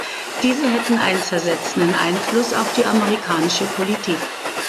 Diese hätten einen zersetzenden Einfluss auf die amerikanische Politik.